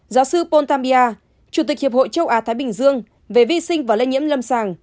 giáo sư poltambia chủ tịch hiệp hội châu á thái bình dương về vi sinh và lây nhiễm lâm sàng